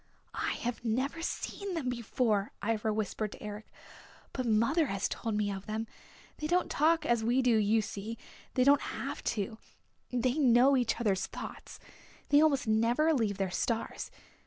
"I have never seen them before," Ivra whispered to Eric. "But mother has told me of them. They don't talk as we do you see. They don't have to. They know each other's thoughts. They almost never leave their Stars.